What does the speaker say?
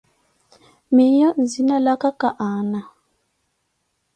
Miiyo nzina laka ka Ana.